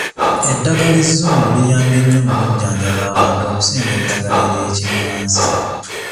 Eddagala ezzungu liyambye nnyo mu kujjanjaba abantu okusinga eddagala ery'ekinnansi.